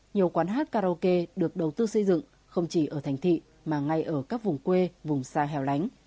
nhiều quán hát karaoke được đầu tư xây dựng không chỉ ở thành thị mà ngay ở các vùng quê vùng xa hèo lánh